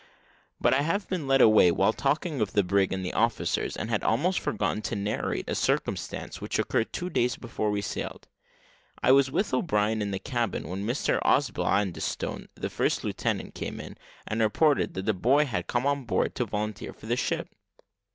But I have been led away, while talking of the brig and the officers, and had almost forgotten to narrate a circumstance which occurred two days before we sailed. I was with O'Brien in the cabin, when Mr Osbaldistone the first lieutenant, came in, and reported that a boy had come on board to volunteer for the ship.